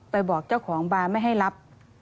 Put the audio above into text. บอกเจ้าของบาร์ไม่ให้รับ